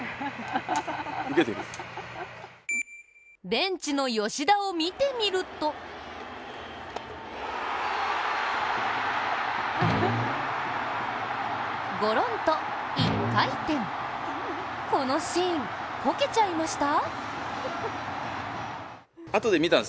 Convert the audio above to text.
ベンチの吉田を見てみるとゴロンと一回転、このシーン、コケちゃいました？